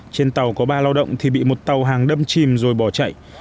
trên tàu có ba lao động thì bị một tàu hàng đâm chìm rồi bỏ chạy